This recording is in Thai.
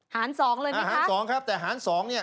หารสองเลยไหมครับหารสองครับแต่หารสอง